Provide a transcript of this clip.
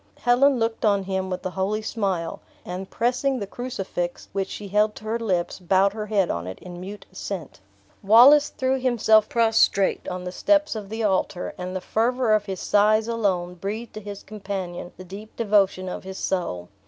'" Helen looked on him with a holy smile; and pressing the crucifix which she held to her lips, bowed her head on it in mute assent. Wallace threw himself prostrate on the steps of the altar; and the fervor of his sighs alone breathed to his companion the deep devotion of his soul.